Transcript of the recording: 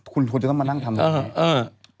คุณต้องมานั่งทำด้วย